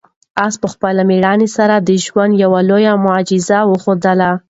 آس په خپلې مېړانې سره د ژوند یوه لویه معجزه وښودله.